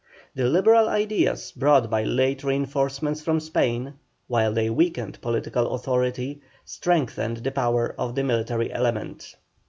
The Liberal ideas brought by late reinforcements from Spain, while they weakened political authority, strengthened the power of the military element.